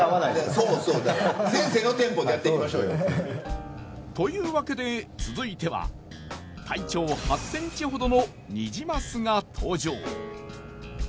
そうそうだから先生のテンポでやっていきましょうよ。というわけで続いては体長８ｃｍほどのニジマスが登場。